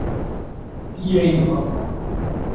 Я и не подумал.